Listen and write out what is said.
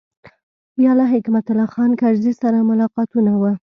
بیا له حکمت الله خان کرزي سره ملاقاتونه و.